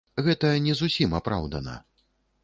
Гэта не зусім апраўдана.